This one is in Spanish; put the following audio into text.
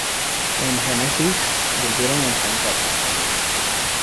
En "Genesis", volvieron a enfrentarse.